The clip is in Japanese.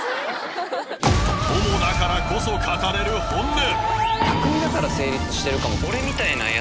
友だからこそ語れる本音。